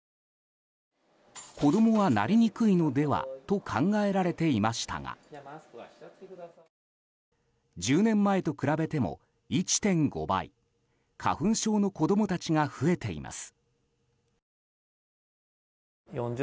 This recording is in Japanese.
子供はなりにくいのではと考えられていましたが１０年前と比べても１．５倍花粉症の子供たちが増えています。